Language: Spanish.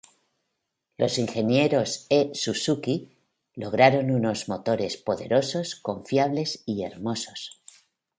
Los ingenieros e Suzuki lograron unos motores poderosos, confiables y hermosos.